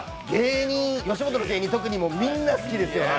吉本の芸人はみんな好きですよね